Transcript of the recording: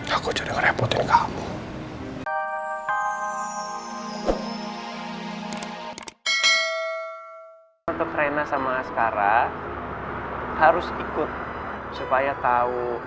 aku jadi ngerepotin kamu